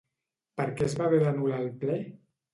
Per què es va haver d'anul·lar el ple?